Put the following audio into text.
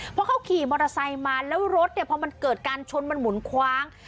เพราะเขาขี่มอเตอร์ไซค์มาแล้วรถเนี่ยพอมันเกิดการชนมันหมุนคว้าง